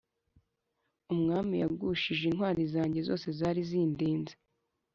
Umwami yagushije intwari zanjye zose zari zindize